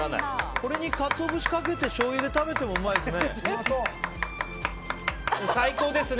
これにカツオ節かけてしょうゆで食べても最高ですね。